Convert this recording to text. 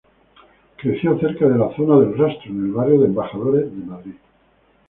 Creció cerca de la zona del Rastro, en el barrio de Embajadores de Madrid.